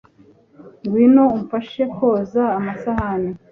ngwino umfashe koza amasahani